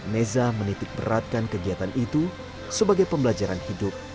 neza menitikberatkan kegiatan itu sebagai pembelajaran hidup